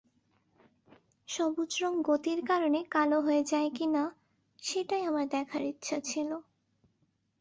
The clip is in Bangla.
সবুজ রঙ গতির কারণে কালো হয়ে যায় কিনা, সেটাই আমার দেখার ইচ্ছা ছিল।